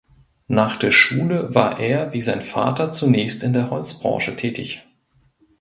Nach der Schule war er wie sein Vater zunächst in der Holzbranche tätig.